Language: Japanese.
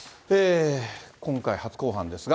今回、初公判ですが。